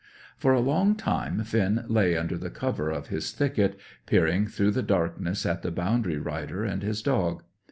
For a long time Finn lay under the cover of his thicket, peering through the darkness at the boundary rider and his dog.